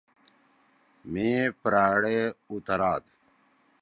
مھی پراڑے اُوتراد۔